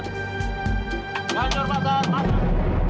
ganjur pasar masuk